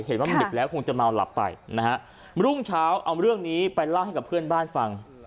เห็นว่ามันดึกแล้วคงจะเมาหลับไปนะฮะรุ่งเช้าเอาเรื่องนี้ไปเล่าให้กับเพื่อนบ้านฟัง